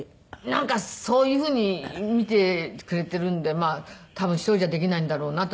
なんかそういうふうに見てくれているんで多分一人じゃできないんだろうなって